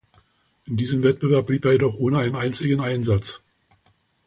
In diesem Wettbewerb blieb er jedoch ohne einen einzigen Einsatz.